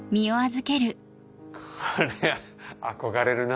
これ憧れるな